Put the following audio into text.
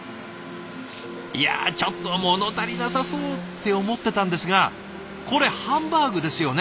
いやちょっと物足りなさそうって思ってたんですがこれハンバーグですよね？